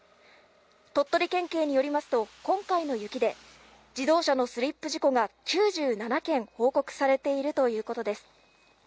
鳥取県警によりますと、今回の雪で自動車のスリップ事故が９７件報告されているということです。